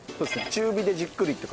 中火でじっくりって。